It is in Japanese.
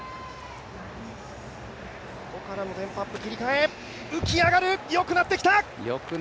ここからのテンポアップ、切り替え良くなってきた。